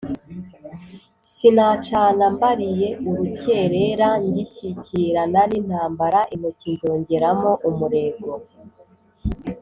sinacana mbaliye urukerera ngishyikirana n’intambara intoki nzongeramo umurego,